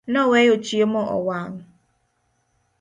Noweyo chiemo owang'